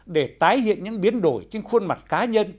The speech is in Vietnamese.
để tái hiện những biến đổi trên khuôn mặt cá nhân